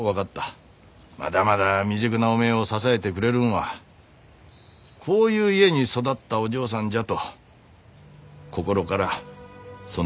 まだまだ未熟なおめえを支えてくれるんはこういう家に育ったお嬢さんじゃと心からそねえに思えた。